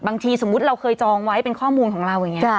สมมุติเราเคยจองไว้เป็นข้อมูลของเราอย่างนี้